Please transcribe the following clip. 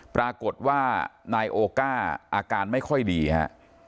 ปรากฏว่านายโอก้าอาการไม่ค่อยดีฮะ